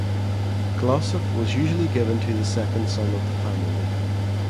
Glossop was usually given to the second son of the family.